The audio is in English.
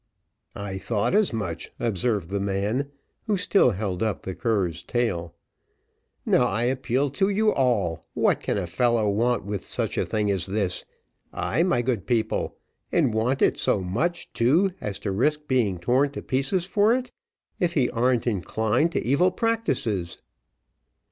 "I thought as much," observed the man, who still held up the cur's tail. "Now I appeal to you all, what can a fellow want with such as this ay, my good people, and want it so much too, as to risk being torn to pieces for it if he arn't inclined to evil practices?"